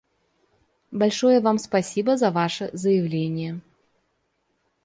Большое вам спасибо за ваше заявление.